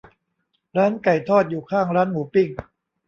ร้านไก่ทอดอยู่ข้างร้านหมูปิ้ง